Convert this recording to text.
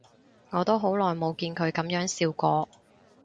我都好耐冇見佢噉樣笑過